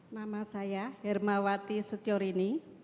nama saya hermawati setiorini